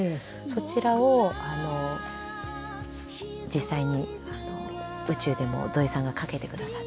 そちらを実際に宇宙でも土井さんがかけてくださって。